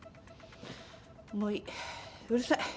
もういいうるさい。